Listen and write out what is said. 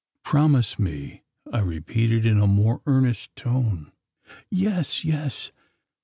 "Promise me!" I repeated in a more earnest tone. "Yes yes!"